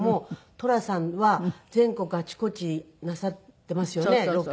寅さんは全国あちこちなさっていますよねロケ。